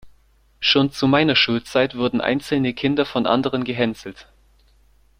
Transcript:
Schon zu meiner Schulzeit wurden einzelne Kinder von anderen gehänselt.